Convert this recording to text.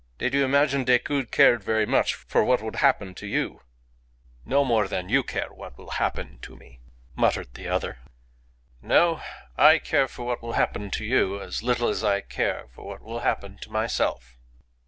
Did you imagine Decoud cared very much for what would happen to you?" "No more than you care for what will happen to me," muttered the other. "No; I care for what will happen to you as little as I care for what will happen to myself."